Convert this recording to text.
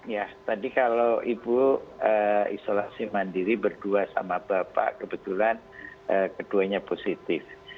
ya tadi kalau ibu isolasi mandiri berdua sama bapak kebetulan keduanya positif